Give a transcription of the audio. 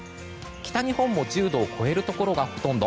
北日本も１０度を超えるところがほとんど。